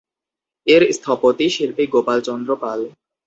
এর স্থপতি শিল্পী গোপাল চন্দ্র পাল।